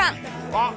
あっ！